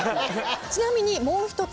ちなみにもう一つ。